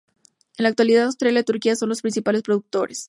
En la actualidad Australia y Turquía son los principales productores.